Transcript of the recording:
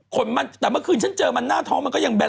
กี่เดือนและครับ